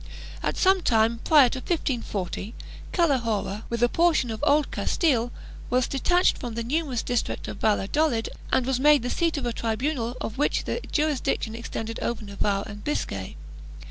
At some time prior to 1540, Calahorra, with a portion of Old Castile, was detached from the enormous district of Valladolid and was made the seat of a tribunal of which the jurisdiction extended over Navarre arid Biscay.